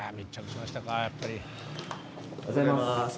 おはようございます。